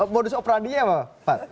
modus operandi ya pak